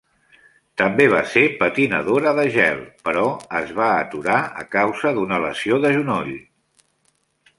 També va ser patinadora de gel, però es va aturar a causa d'una lesió de genoll.